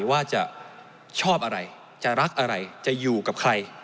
ว่าจะชอบอะไรจะรักอะไรจะอยู่กับใคร